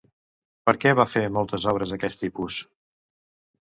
Per què va fer moltes obres d'aquest tipus?